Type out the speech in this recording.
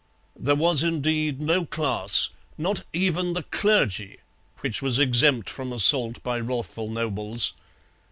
There was, indeed, no class not even the clergy which was exempt from assault by wrathful nobles.